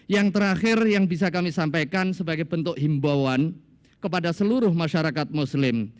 yang terakhir yang bisa kami sampaikan sebagai bentuk himbauan kepada seluruh masyarakat muslim